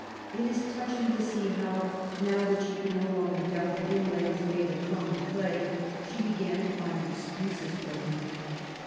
It is touching to see how, now that she could no longer doubt that Imlay was made of common clay, she began to find excuses for him.